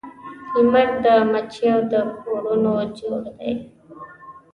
لمر د مچېو د کورونو جوړ دی